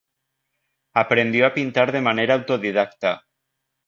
Aprendió a pintar de manera autodidacta.